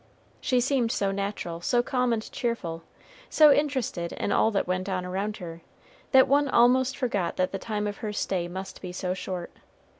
She seemed so natural, so calm and cheerful, so interested in all that went on around her, that one almost forgot that the time of her stay must be so short.